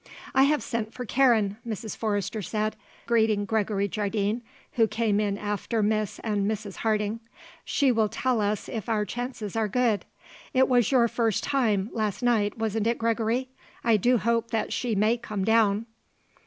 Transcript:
"I have sent for Karen," Mrs. Forrester said, greeting Gregory Jardine, who came in after Miss and Mrs. Harding; "she will tell us if our chances are good. It was your first time, last night, wasn't it, Gregory? I do hope that she may come down."